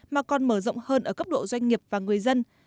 mà còn mở rộng hơn ở cấp độ doanh nghiệp và người dân